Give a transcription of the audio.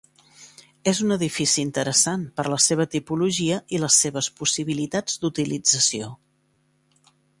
És un edifici interessant per la seva tipologia i les seves possibilitats d'utilització.